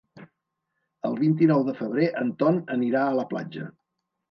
El vint-i-nou de febrer en Ton anirà a la platja.